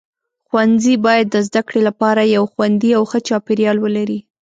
ښوونځي باید د زده کړې لپاره یو خوندي او ښه چاپیریال ولري.